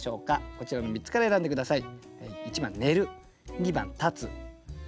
こちらの３つから選んで下さい。